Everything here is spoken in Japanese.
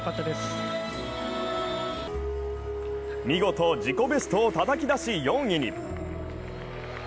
見事、自己ベストをたたき出し、４位に。